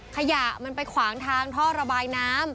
ขยะมันไปขวางทางท่อระบายน้ำ